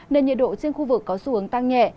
nên nhiệt độ trên khu vực có xu hướng tăng nhẹ